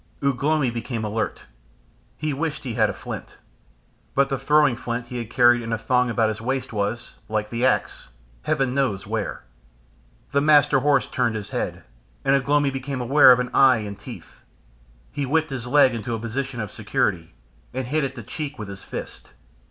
Ugh lomi became alert. He wished he had a flint, but the throwing flint he had carried in a thong about his waist was like the axe heaven knows where. The Master Horse turned his head, and Ugh lomi became aware of an eye and teeth. He whipped his leg into a position of security, and hit at the cheek with his fist.